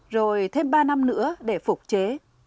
rồi thêm ba năm nữa để phục chế